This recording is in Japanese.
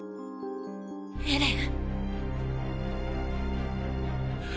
エレン。